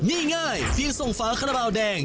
นี่ง่ายเพียงส่งฝาคาราบาลแดง